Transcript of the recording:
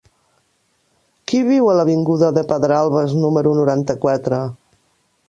Qui viu a l'avinguda de Pedralbes número noranta-quatre?